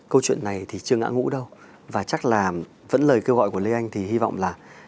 câu chuyện này thì chưa ngã ngũ đâu và chắc là vẫn lời kêu gọi của lê anh thì hy vọng là